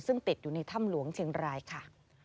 ซึ่งติดอยู่ในถ้ำหลวงเชียงรายค่ะ